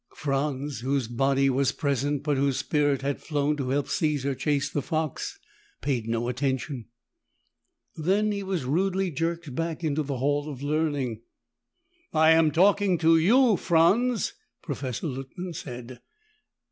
Franz, whose body was present but whose spirit had flown to help Caesar chase the fox, paid no attention. Then he was rudely jerked back into the hall of learning. "I am talking to you, Franz," Professor Luttman said.